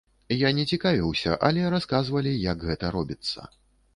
Я не цікавіўся, але расказвалі, як гэта робіцца.